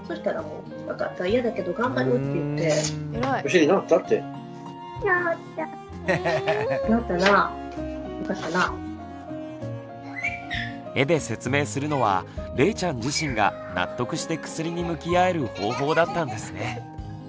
この絵をさりげなく机の上に置いておき絵で説明するのはれいちゃん自身が納得して薬に向き合える方法だったんですね。